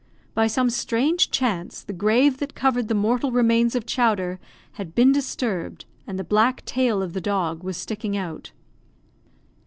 By some strange chance, the grave that covered the mortal remains of Chowder had been disturbed, and the black tail of the dog was sticking out.